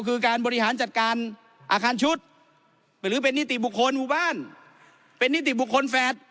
คือการบริหารจัดการอาคารชุดหรือเป็นนิติบุคคลหมู่บ้านเป็นนิติบุคคลแฝด